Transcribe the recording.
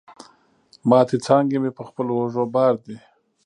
ماتي څانګي مي په خپلو اوږو بار دي